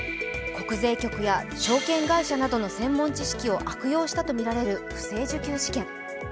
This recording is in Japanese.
国税局や証券会社などの専門知識を悪用したとみられる不正受給事件。